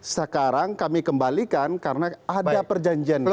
sekarang kami kembalikan karena ada perjanjiannya